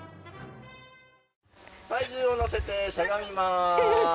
体重をのせてしゃがみます。